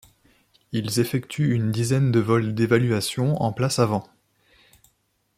Ils effectuent une dizaine de vols d'évaluation en place avant.